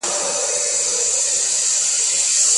آیا صالح عمل د طيب ژوند سبب ګرځي؟